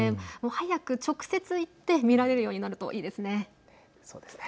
早く直接行って見られるようになるといいですね。